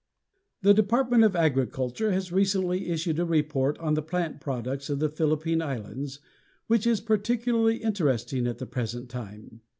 The Department of Agriculture has recently issued a report on the plant products of the Philippine Islands, which is particularly interesting at the present time.